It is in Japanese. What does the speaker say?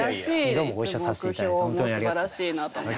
どうもご一緒させて頂いて本当にありがとうございました。